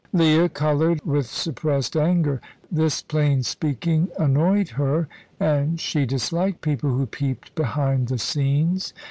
Leah coloured with suppressed anger. This plain speaking annoyed her, and she disliked people who peeped behind the scenes.